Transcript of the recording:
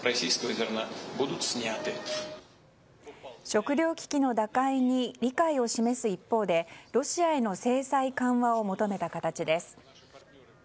食糧危機の打開に理解を示す一方でロシアへの制裁緩和を求めた形です。